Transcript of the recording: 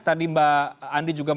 tadi mbak andi juga